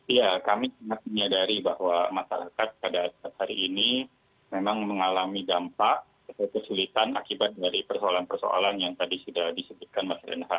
ya kami menyadari bahwa masyarakat pada saat hari ini memang mengalami dampak kesulitan akibat dari persoalan persoalan yang tadi sudah disebutkan mas renha